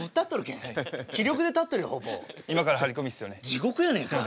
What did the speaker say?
地獄やねえか。